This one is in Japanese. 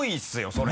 それ。